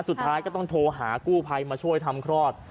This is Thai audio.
สุดท้ายก็ต้องโทรหากู้ภัยมาช่วยทำคลอด